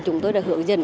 chúng tôi đã hưởng dẫn